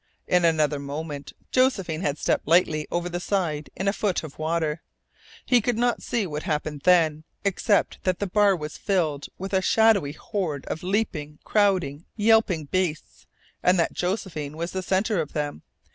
In another moment Josephine had stepped lightly over the side in a foot of water. He could not see what happened then, except that the bar was filled with a shadowy horde of leaping, crowding, yelping beasts, and that Josephine was the centre of them.